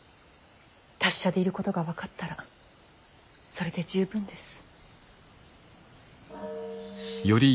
達者でいることが分かったらそれで十分です。